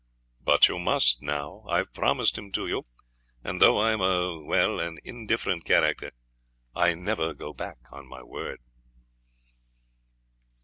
'But you must now. I've promised him to you, and though I am a well an indifferent character, I never go back on my word.'